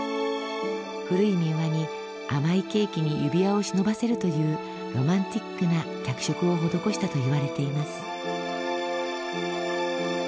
古い民話に甘いケーキに指輪を忍ばせるというロマンチックな脚色を施したといわれています。